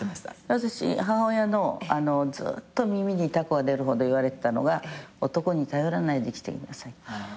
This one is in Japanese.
私母親のずっと耳にタコができるほど言われてたのが「男に頼らないで生きていきなさい」